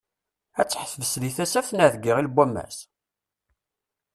Ad teḥbes deg Tasaft neɣ deg Iɣil n wammas?